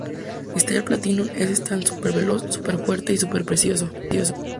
Star Platinum es un Stand súper veloz, súper fuerte y súper preciso.